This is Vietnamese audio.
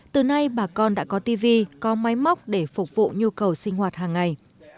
từ nay bà con đã có tv có máy móc để phục vụ nhu cầu sinh hoạt hàng ngày